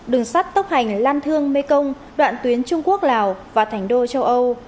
đường sắt tốc hành lan thương mê công đoạn tuyến trung quốc lào và thành đô châu âu